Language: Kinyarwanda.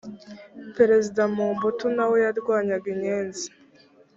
perezida mobutu na we yarwanyaga inyenzi.